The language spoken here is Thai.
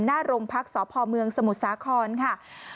หน้าโรงพักสมุทรสาครค่ะ